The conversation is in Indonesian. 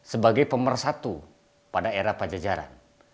sebagai pemersatu pada era pajajaran